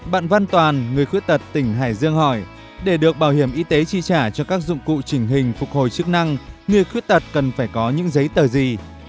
bạn văn toàn người khuyết tật tỉnh hải dương hỏi để được bảo hiểm y tế chi trả cho các dụng cụ trình hình phục hồi chức năng người khuyết tật cần phải có những giấy tờ gì